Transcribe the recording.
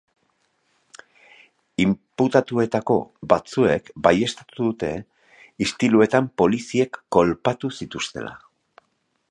Inputatuetako batzuek baieztatu dute istiluetan poliziek kolpatu zituztela.